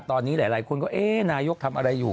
ตอนนี้หลายคนก็เอ๊ะนายกทำอะไรอยู่